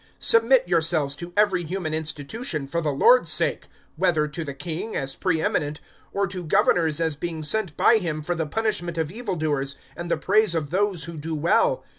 (13)Submit yourselves to every human institution, for the Lord's sake; whether to the king, as pre eminent, (14)or to governors as being sent by him for the punishment of evil doers, and the praise of those who do well.